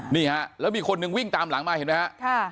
นี่ฮะแล้วมีคนหนึ่งวิ่งตามหลังมาเห็นไหมฮะ